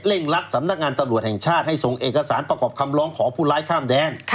รัดสำนักงานตำรวจแห่งชาติให้ส่งเอกสารประกอบคำร้องขอผู้ร้ายข้ามแดน